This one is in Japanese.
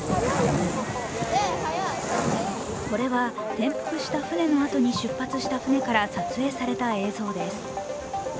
これは転覆した舟のあとに出発した舟から撮影された映像です。